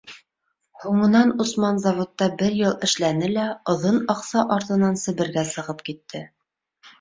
Һуңынан Усман заводта бер йыл эшләне лә оҙон аҡса артынан Себергә сығып китте.